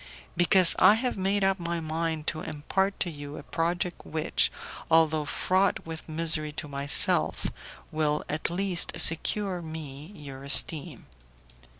"Because I have made up my mind to impart to you a project which, although fraught with misery to myself, will at least secure me your esteem."